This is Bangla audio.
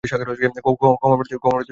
ক্ষমাপ্রার্থী, আবার শুরু করছি।